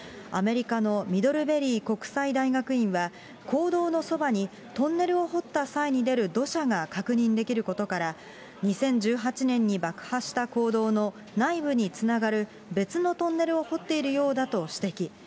アメリカのミドルベリー国際大学院は坑道のそばにトンネルを掘った際に出る土砂が確認できることから、２０１８年に爆破した坑道の内部につながる別のトンネルを掘っているようだと指摘。